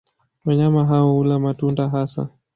Wanyama hao hula matunda hasa.